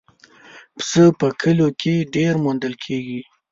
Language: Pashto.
پسه په کلیو کې ډېر موندل کېږي.